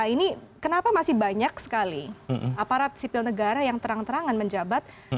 ini kenapa masih banyak sekali aparat sipil negara yang terang terangan menjabat